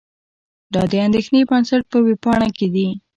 دا د اندېښې بنسټ په وېبپاڼه کې دي.